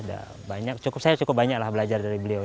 saya sudah cukup banyak belajar dari beliau